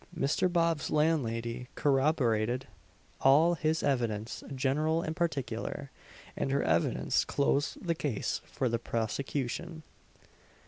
Mr. Bob's landlady corroborated all his evidence general and particular, and her evidence closed the case for the prosecution.